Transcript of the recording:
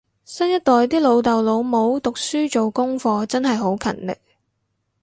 新一代啲老豆老母讀書做功課真係好勤力